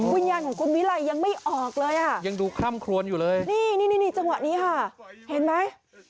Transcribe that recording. วิญญาณของคุณวิไล่ยังไม่ออกเลยค่ะนี่นี่นี่นี่จังหวะนี้ค่ะเห็นไหม